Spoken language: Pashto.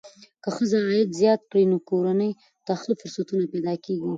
که ښځه عاید زیات کړي، نو کورنۍ ته ښه فرصتونه پیدا کېږي.